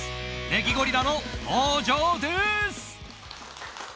ネギゴリラの登場です！